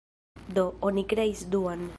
Do, oni kreis duan.